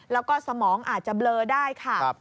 แล้วก็สมองอาจจะเบลอได้ค่ะ